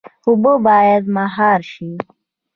اوبه باید مهار شي